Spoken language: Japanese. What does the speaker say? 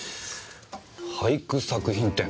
『俳句作品展』？